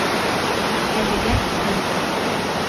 Әлегә тын.